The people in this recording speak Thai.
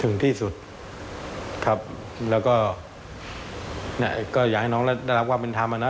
ถึงที่สุดครับแล้วก็เนี่ยก็อยากให้น้องได้รับความเป็นธรรมอ่ะนะ